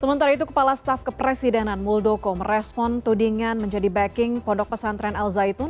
sementara itu kepala staf kepresidenan muldoko merespon tudingan menjadi backing pondok pesantren al zaitun